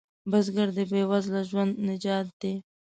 بزګر د بې وزله ژوند نجات دی